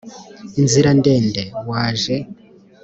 inzira ndende? waje